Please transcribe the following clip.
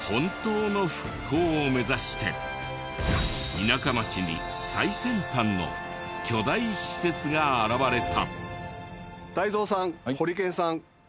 田舎町に最先端の巨大施設が現れた。